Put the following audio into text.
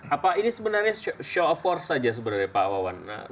apa ini sebenarnya show of force saja sebenarnya pak wawan